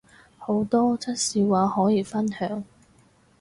好多則笑話可以分享